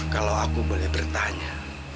kalau aku boleh bertanya